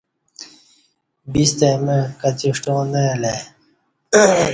وِستہ مع کچی ݜٹاں نہ الہ ای